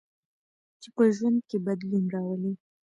چې په ژوند کې بدلون راولي.